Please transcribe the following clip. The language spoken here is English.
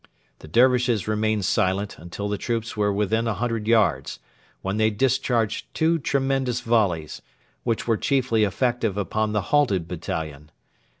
The Dervishes remained silent until the troops were within a hundred yards, when they discharged two tremendous volleys, which were chiefly effective upon the halted battalion.